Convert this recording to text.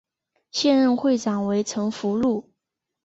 现任会长为陈福裕。